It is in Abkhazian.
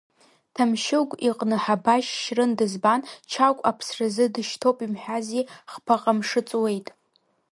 Ҭамшьыгә иҟны Ҳабашь Шьрын дызбан, Чагә аԥсразы дышьҭоуп имҳәази, хԥаҟа мшы ҵуеит…